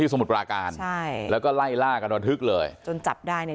ที่สมุดกราการใช่แล้วก็ไล่ล่ากันละทึกเลยจนจับได้ใน